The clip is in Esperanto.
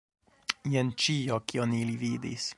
Jen ĉio, kion ili vidis.